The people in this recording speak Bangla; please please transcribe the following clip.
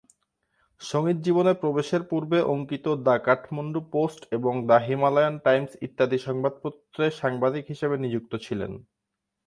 সঙ্গীত জীবনে প্রবেশের পূর্বে অঙ্কিত দ্য কাঠমান্ডু পোস্ট এবং দ্য হিমালয়ান টাইমস ইত্যাদি সংবাদপত্রে সাংবাদিক হিসেবে নিযুক্ত ছিলেন।